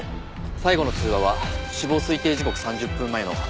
最後の通話は死亡推定時刻３０分前の夜７時半。